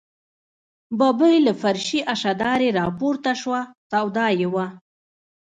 ببۍ له فرشي اشدارې راپورته شوه، سودا یې وه.